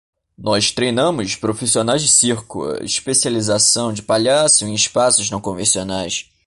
Nós treinamos profissionais de circo: especialização de palhaço em espaços não convencionais.